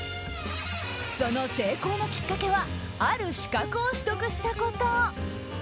その成功のきっかけはある資格を取得したこと。